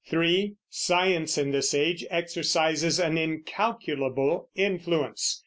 (3) Science in this age exercises an incalculable influence.